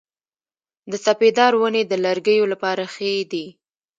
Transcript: د سپیدار ونې د لرګیو لپاره ښې دي؟